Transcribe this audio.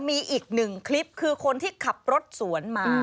มีอีกหนึ่งคลิปคือคนที่ขับรถสวนมา